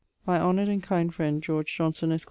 My honoured and kind friend George Johnson, esq.